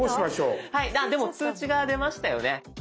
でも通知が出ましたよね。